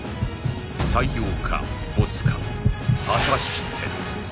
採用かボツか果たして